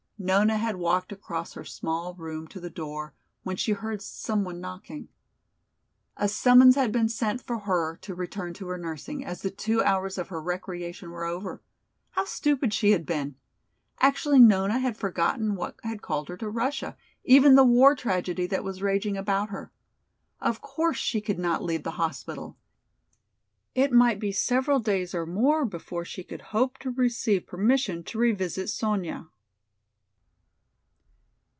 Nona had walked across her small room to the door, when she heard some one knocking. A summons had been sent for her to return to her nursing, as the two hours of her recreation were over. How stupid she had been! Actually Nona had forgotten what had called her to Russia, even the war tragedy that was raging about her. Of course she could not leave the hospital! It might be several days or more before she could hope to receive permission to revisit Sonya.